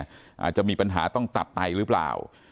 อาจจะมีปัญหาต้องตัดไตหรือเปล่า